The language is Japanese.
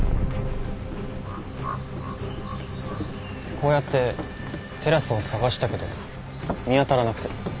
こうやってテラスを捜したけど見当たらなくて。